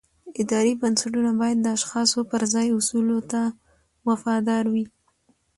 اداري بنسټونه باید د اشخاصو پر ځای اصولو ته وفادار وي